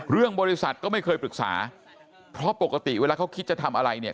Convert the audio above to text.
เรื่องบริษัทก็ไม่เคยปรึกษาเพราะปกติเวลาเขาคิดจะทำอะไรเนี่ย